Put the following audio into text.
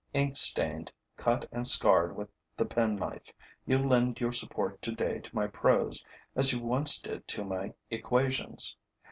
Ink stained, cut and scarred with the penknife, you lend your support today to my prose as you once did to my equations.